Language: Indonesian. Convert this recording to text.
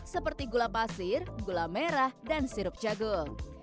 seperti gula pasir gula merah dan sirup jagung